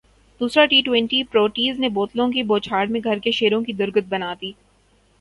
دوسرا T twenty Proteas نے بوتلوں کی بوچھاڑمیں گھر کے شیروں کی درگت بنادی